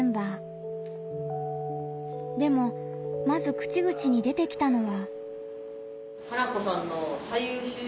でもまず口々に出てきたのは。